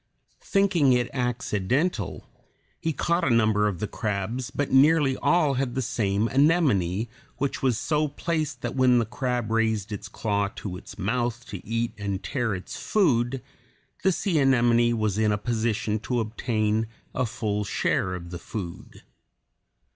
Thinking it accidental, he caught a number of crabs, but nearly all had the small anemone, which was so placed that when the crab raised its claw to its mouth to eat and tear its food, the sea anemone was in a position to obtain a full share of the food.